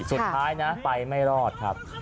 สุดท้ายนะไปไม่รอดครับ